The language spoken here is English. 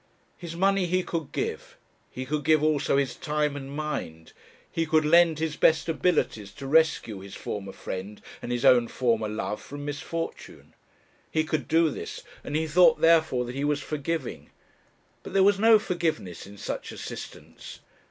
His money he could give; he could give also his time and mind, he could lend his best abilities to rescue his former friend and his own former love from misfortune. He could do this, and he thought therefore that he was forgiving; but there was no forgiveness in such assistance.